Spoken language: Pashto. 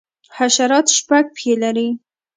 حشرات شپږ پښې لري